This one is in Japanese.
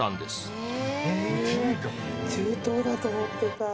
へえ中東だと思ってた。